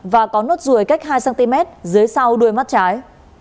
và có nốt ruồi cách hai cm dưới sau đuôi mắt trái